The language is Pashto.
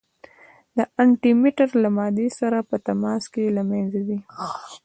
د انټي مټر له مادې سره په تماس کې له منځه ځي.